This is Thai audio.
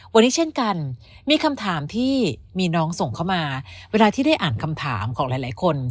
วันนี้เช่นกันมีคำถามที่มีน้องส่งเข้ามาเวลาที่ได้อ่านคำถามของหลายคน